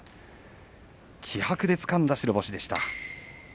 気迫でつかんだ白星です。